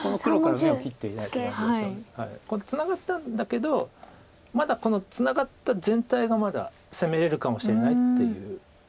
ツナがったんだけどまだツナがった全体がまだ攻めれるかもしれないという。